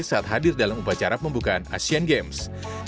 saat hadir dalam upacara pembukaan asian games